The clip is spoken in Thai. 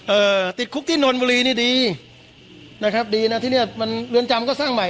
เอ่อติดคุกที่นนบุรีนี่ดีนะครับดีนะที่เนี้ยมันเรือนจำก็สร้างใหม่